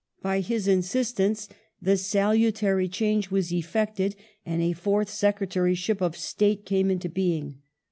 By his insistence the salutary change was effected and a fourth Secretaryship of State came into being.